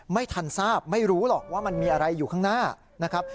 ไม่ทันทราบไม่รู้หรอกว่ามันมีอะไรอยู่ข้างหน้านะครับ